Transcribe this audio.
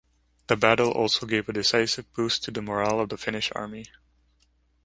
The battle also gave a decisive boost to the morale of the Finnish army.